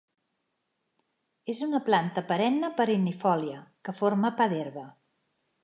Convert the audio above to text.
És una planta perenne perennifòlia que forma pa d'herba.